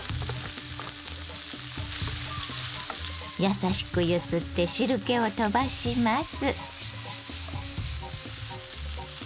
優しく揺すって汁けをとばします。